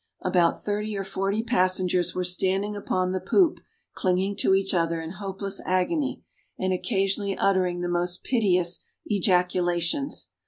About thirty or forty passengers were standing upon the poop clinging to each other in hopeless agony, and occasionally uttering the most piteous ejaculations.